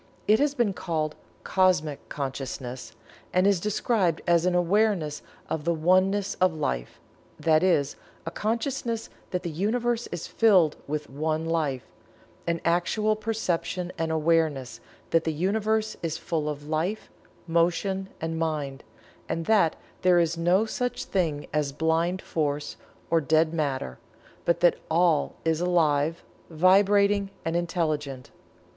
It has been called "Cosmic Consciousness," and is described as an awareness of the Oneness of Life that is, a consciousness that the Universe is filled with One Life an actual perception and "awareness" that the Universe is full of Life, Motion and Mind, and that there is no such thing as Blind Force, or Dead Matter, but that All is alive, vibrating and intelligent.